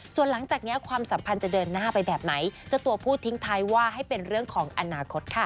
ส่วนหลังจากนี้ความสัมพันธ์จะเดินหน้าไปแบบไหนเจ้าตัวพูดทิ้งท้ายว่าให้เป็นเรื่องของอนาคตค่ะ